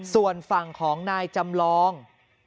ส่วนฝั่งของนายจำลอง